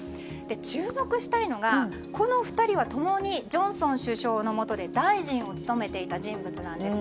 注目したいのがこの２人は共にジョンソン首相のもとで大臣を務めていた人物なんです。